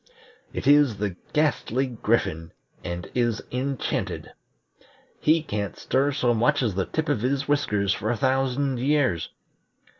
It is the Ghastly Griffin and is enchanted. He can't stir so much as the tip of his whiskers for a thousand years.